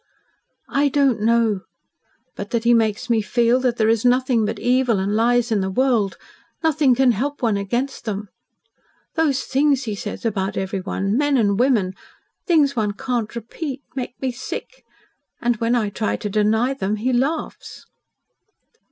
"I don't know but that he makes me feel that there is nothing but evil and lies in the world and nothing can help one against them. Those things he says about everyone men and women things one can't repeat make me sick. And when I try to deny them, he laughs."